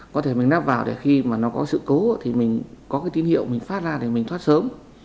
có thể mình nắp vào để khi mà nó có sự cố thì mình có cái tín hiệu mình phát ra thì mình thoát sớm